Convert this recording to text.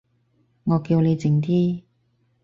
我叫你靜啲